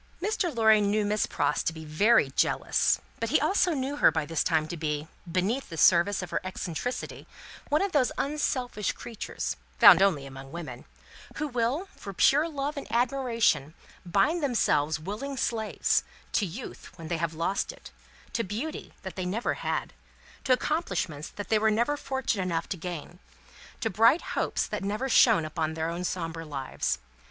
Mr. Lorry knew Miss Pross to be very jealous, but he also knew her by this time to be, beneath the service of her eccentricity, one of those unselfish creatures found only among women who will, for pure love and admiration, bind themselves willing slaves, to youth when they have lost it, to beauty that they never had, to accomplishments that they were never fortunate enough to gain, to bright hopes that never shone upon their own sombre lives.